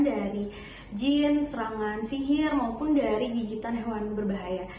dari jin serangan sihir maupun dari gigitan hewan berbahaya